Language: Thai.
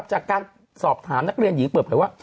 จากการสอบถามนักเรียนหญิงเปิดเผยว่า